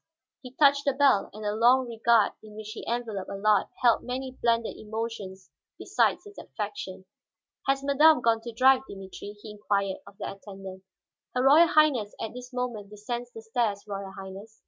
He touched the bell, and the long regard in which he enveloped Allard held many blended emotions besides its affection. "Has madame gone to drive, Dimitri?" he inquired of that attendant. "Her Royal Highness at this moment descends the stairs, Royal Highness."